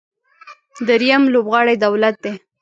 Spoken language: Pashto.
درېیم لوبغاړی دولت دی.